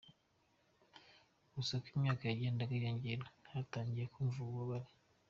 Gusa uko imyaka yagendaga yiyongera yatangiye kumva ububabare.